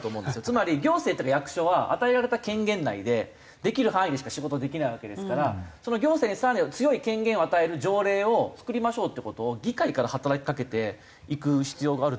つまり行政とか役所は与えられた権限内でできる範囲でしか仕事できないわけですからその行政に更に強い権限を与える条例を作りましょうって事を議会から働きかけていく必要があると思うんですけど。